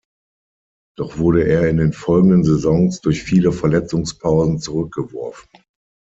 Doch wurde er in den folgenden Saisons durch viele Verletzungspausen zurückgeworfen.